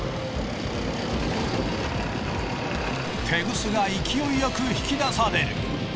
テグスが勢いよく引き出される。